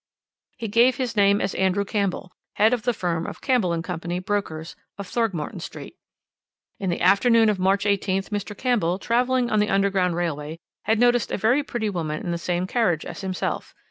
"He gave his name as Andrew Campbell, head of the firm of Campbell & Co., brokers, of Throgmorton Street. "In the afternoon of March 18th Mr. Campbell, travelling on the Underground Railway, had noticed a very pretty woman in the same carriage as himself.